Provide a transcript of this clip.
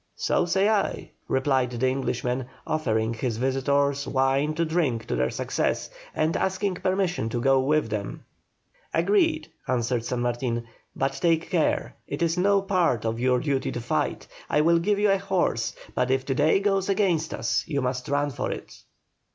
"So say I," replied the Englishman, offering his visitors wine to drink to their success, and asking permission to go with them. "Agreed," answered San Martin, "but take care; it is no part of your duty to fight. I will give you a horse, but if the day goes against us you must run for it."